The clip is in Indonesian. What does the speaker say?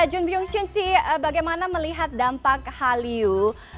jun pyung chun si bagaimana melihat dampak haliu